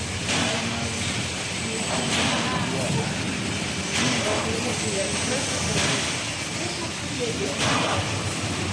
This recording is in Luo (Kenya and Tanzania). Pile mag juala onego oket mabor gi ogolo mag odundu koda mag ng'owo.